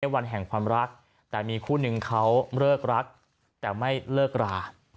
วันแห่งความรักแต่มีคู่นึงเขาเลิกรักแต่ไม่เลิกรา